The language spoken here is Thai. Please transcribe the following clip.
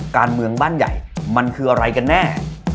การเมืองบ้านใหญ่มันคืออะไรกันแน่